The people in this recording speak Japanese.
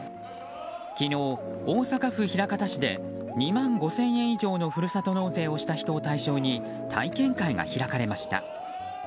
昨日、大阪府枚方市で２万５０００円以上のふるさと納税をした人を対象に体験会が開かれました。